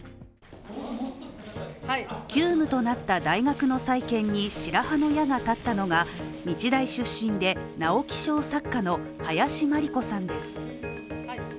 急務となった大学の再建に白羽の矢が立ったのが日大出身で直木賞作家の林真理子さんです。